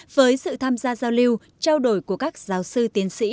với sự tham gia giao lưu trao đổi của các giáo sư tiến sĩ